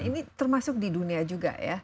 ini termasuk di dunia juga ya